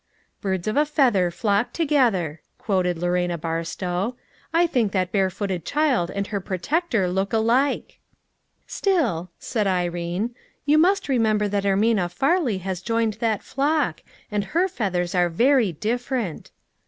"Birds of a feather, flock together," quoted Lorena Barstow. "I think that barefooted child and her protector look alike." "Still," said Irene, "you must remember that Ermina Farley has joined that flock ; and her feathers are very different."